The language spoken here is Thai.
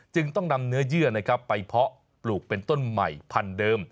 จึงต้องนำเนื้อเยื่อไปเพาะปลูกเป็นต้นใหม่พันเดิม